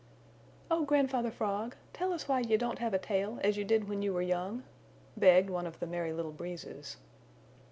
"Oh Grandfather Frog, tell us why you don't have a tail as you did when you were young," begged one of the Merry Little Breezes.